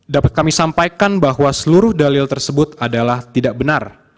dapat kami sampaikan bahwa seluruh dalil tersebut adalah tidak benar